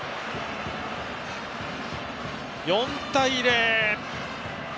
４対０。